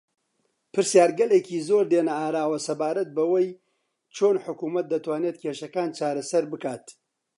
پرسیارگەلێکی زۆر دێنە ئاراوە سەبارەت بەوەی چۆن حکوومەت دەتوانێت کێشەکان چارەسەر بکات